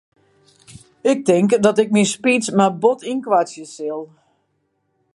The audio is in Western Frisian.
Ik tink dat ik myn speech mar bot ynkoartsje sil.